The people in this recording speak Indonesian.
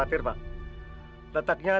arena itu harus diambil